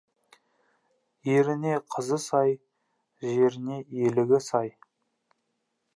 Еріне қызы сай, жеріне елігі сай.